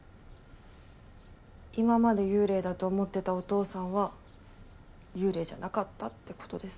今まで幽霊だと思ってたお父さんは幽霊じゃなかったって事です。